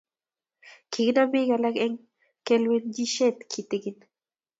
kikinam bik alak eng kalewenisjiet kitikin